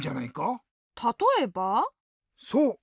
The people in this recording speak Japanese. そう！